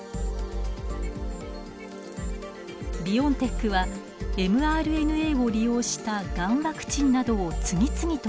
ビオンテックはｍＲＮＡを利用したがんワクチンなどを次々と開発。